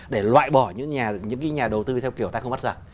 để loại bỏ những nhà đầu tư theo kiểu ta không bắt giật